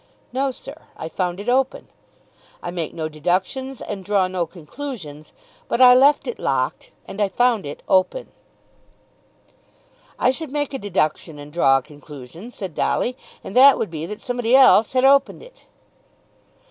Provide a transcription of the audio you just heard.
"No, sir, I found it open. I make no deductions and draw no conclusions, but I left it locked and I found it open." "I should make a deduction and draw a conclusion," said Dolly; "and that would be that somebody else had opened it."